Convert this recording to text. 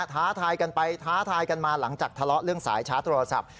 ท้าทายกันไปท้าทายกันมาหลังจากทะเลาะเรื่องสายชาร์จโทรศัพท์